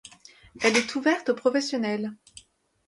Elle est ouverte aux professionnels.